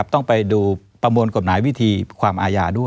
ต้องไปดูประมวลกฎหมายวิธีความอาญาด้วย